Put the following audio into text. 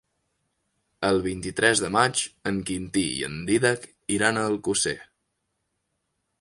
El vint-i-tres de maig en Quintí i en Dídac iran a Alcosser.